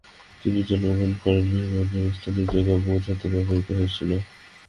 তিনি জন্মগ্রহণ করেন মোহনের স্থানীয় জায়গা বোঝাতে ব্যবহৃত হয়েছিল।